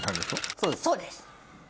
そうです。